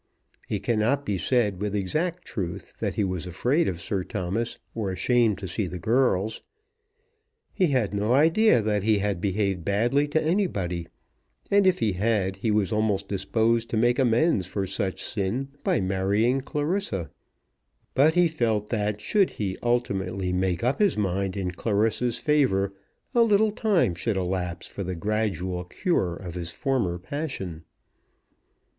It cannot be said with exact truth that he was afraid of Sir Thomas or ashamed to see the girls. He had no idea that he had behaved badly to anybody; and, if he had, he was almost disposed to make amends for such sin by marrying Clarissa; but he felt that should he ultimately make up his mind in Clarissa's favour, a little time should elapse for the gradual cure of his former passion.